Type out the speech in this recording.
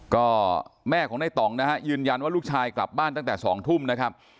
ก็แม่ของในต่องนะฮะยืนยันว่าลูกชายกลับบ้านตั้งแต่๒ทุ่มนะครับ